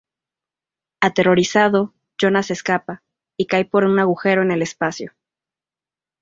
Aterrorizado, Jonas se escapa, y cae por un agujero en el espacio.